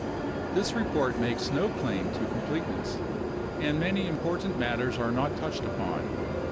This report makes no claim to completeness, and many important mat ters are not touched upon.